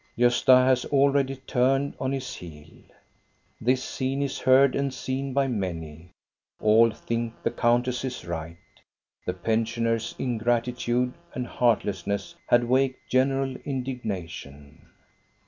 Gosta has already turned on his heel. This scene is heard and seen by many. All think the countess is right. The pensioners' ingratitude and heartlessness had waked general indignation.